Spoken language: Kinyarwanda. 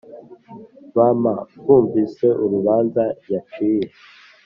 Bm bumvise urubanza yaciye